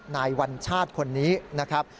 วัญชาติคนนี้นะครับ